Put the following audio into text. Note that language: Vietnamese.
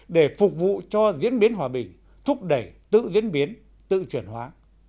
để phục vụ cho diễn biến hòa bình thúc đẩy tự diễn biến tự chuyển hóa